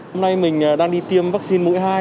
hôm nay mình đang đi tiêm vaccine mũi hai